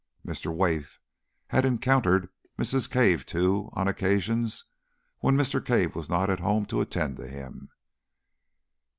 Mr. Wace had encountered Mrs. Cave, too, on occasions when Mr. Cave was not at home to attend to him.